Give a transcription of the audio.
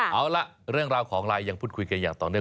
เอาล่ะเรื่องราวของไลน์ยังพูดคุยกันอย่างต่อเนื่อง